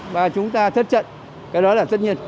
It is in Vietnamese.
và chúng ta thất trận cái đó là tất nhiên